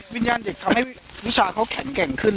วิญญาณเด็กทำให้วิชาเขาแข็งแกร่งขึ้น